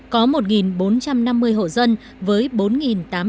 có một bốn trăm năm mươi hộ dân với bốn tám trăm linh người